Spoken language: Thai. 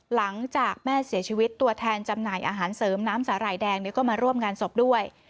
หลังจากแม่เสียชีวิตตัวแทนจำหน่ายอาหารเสริมน้ำสาหร่ายแดงก็มาร่วมงานศพด้วย